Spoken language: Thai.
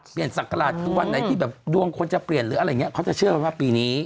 เปลี่ยนศักดิ์กราศทุกวันใดที่แบบดวงคนจะเปลี่ยนหรืออะไรอย่างนี้เขาจะเชื่อว่าปีนี้